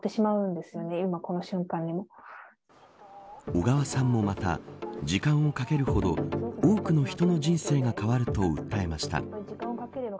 小川さんもまた時間をかけるほど多くの人の人生が変わると訴えました。